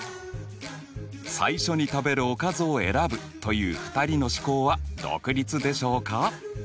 最初に食べるおかずを選ぶという２人の試行は独立でしょうか？